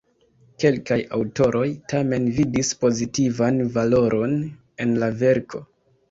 Kelkaj aŭtoroj tamen vidis pozitivan valoron en la verko.